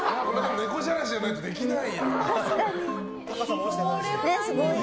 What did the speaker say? ねこじゃらしじゃないとできないよね。